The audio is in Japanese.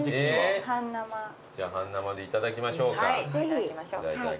じゃあ半生でいただきましょうか。